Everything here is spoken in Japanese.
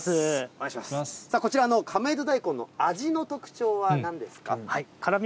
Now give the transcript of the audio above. こちら、亀戸大根の味の特徴はなんですか？